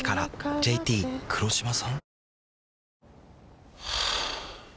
ＪＴ黒島さん？